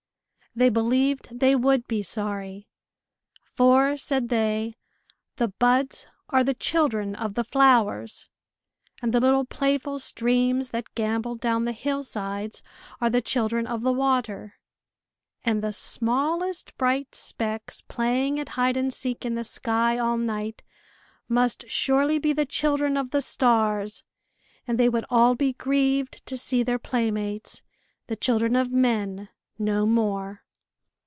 They believed they would be sorry. For, said they, the buds are the children of the flowers, and the little playful streams that gambol down the hill sides are the children of the water; and the smallest bright specks playing at hide and seek in the sky all night, must surely be the children of the stars; and they would all be grieved to see their playmates, the children of men, no more.